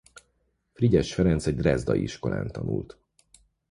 Frigyes Ferenc egy drezdai iskolán tanult.